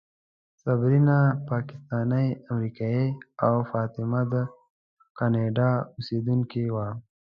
صبرینا پاکستانۍ امریکایۍ او فاطمه د کاناډا اوسېدونکې وه.